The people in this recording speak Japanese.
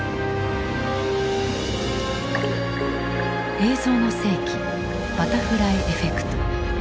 「映像の世紀バタフライエフェクト」。